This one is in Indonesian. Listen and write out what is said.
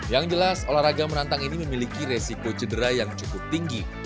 yang jelas olahraga menantang ini memiliki resiko cedera yang cukup tinggi